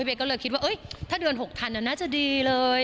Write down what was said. ก็เลยคิดว่าถ้าเดือน๖ทันน่าจะดีเลย